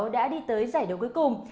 đã đi tới giải đấu cuối cùng